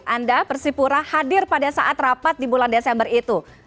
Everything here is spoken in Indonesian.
anda persipura hadir pada saat rapat di bulan desember itu